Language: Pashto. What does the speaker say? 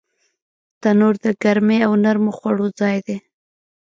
تنور د ګرمۍ او نرمو خوړو ځای دی